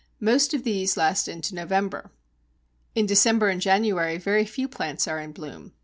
Most of these last into November. In December and January very few plants are in bloom.